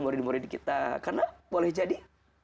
murid murid kita karena boleh jadi